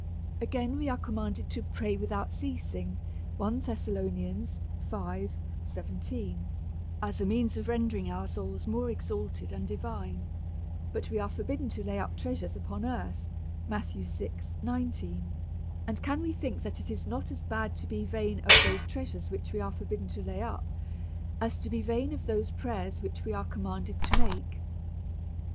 Again, we are commanded to pray without ceasing, as a means of rendering our souls more exalted and divine, but wc are forbidden to lay up treasures upon DEVOUT AND HOLY LIFE. 45 earth ; and can we think that it is not as bad to be vain of those treasures which we are forbidden to lay up, as to be vain of those prayers which we are com manded to make.'